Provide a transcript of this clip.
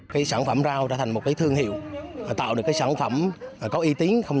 cái sản phẩm rau trở thành một cái thương hiệu tạo được cái sản phẩm có y tín không